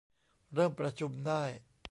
เริ่มประชุมได้